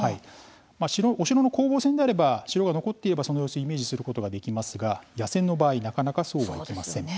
お城の攻防戦であれば城が残っていれば、その様子をイメージすることができますが野戦の場合なかなかそうはいきません。